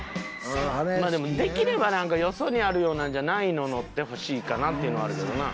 まあでもできればなんかよそにあるようなのじゃないの乗ってほしいかなっていうのはあるけどな。